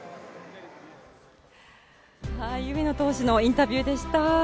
上野投手のインタビューでした。